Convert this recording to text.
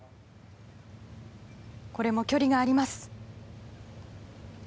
これも距離があります。